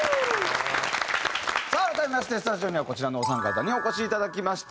さあ改めましてスタジオにはこちらのお三方にお越しいただきました。